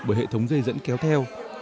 bởi hệ thống dây dẫn kéo theo